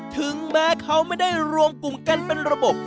ถึงแม้เขาไม่ได้รวมกลุ่มกันเป็นระบบ